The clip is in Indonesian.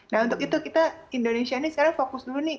nah untuk itu kita indonesia ini sekarang fokus dulu nih